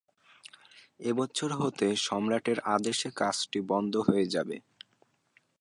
এ বছর হতে সম্রাটের আদেশে কাজটি বন্ধ হয়ে যায়।